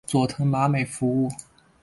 佐藤麻美服务。